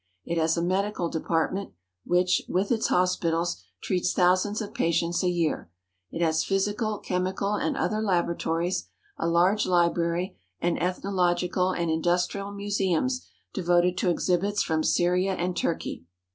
It has a medical department which, with its hospitals, treats thousands of patients a year. It has physical, chemical, and other laboratories, a large library, and ethnological and industrial museums devoted to exhibits from Syria and Turkey.